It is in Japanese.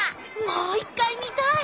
もう一回見たい！